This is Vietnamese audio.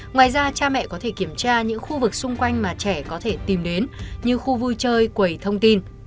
ngoài ra cha mẹ có thể kiểm tra những khu vực xung quanh mà trẻ có thể tìm đến như khu vui chơi quầy thông tin